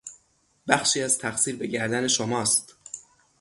بخشی از تقصیر به گردن شماست.